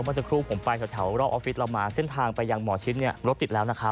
เมื่อสักครู่ผมไปแถวรอบออฟฟิศเรามาเส้นทางไปยังหมอชิดเนี่ยรถติดแล้วนะครับ